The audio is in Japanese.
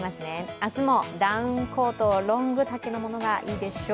明日もダウンコート、ロング丈のものがいいでしょう。